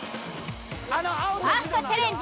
ファーストチャレンジ